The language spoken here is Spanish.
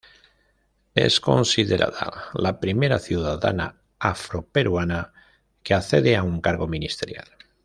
Es considerada la primera ciudadana afroperuana que accede a un cargo ministerial.